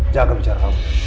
jangan bicara kamu